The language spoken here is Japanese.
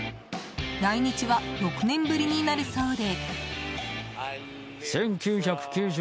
来日は６年ぶりになるそうで。